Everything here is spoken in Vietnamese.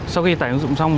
sau khi tải ứng dụng xong